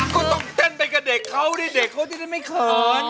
ก็ต้องเต้นไปกับเด็กเขาดิเด็กเขาจะได้ไม่เขิน